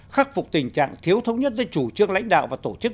khắc phục tình trạng thiếu thống nhất giữa chủ trương lãnh đạo và tổ chức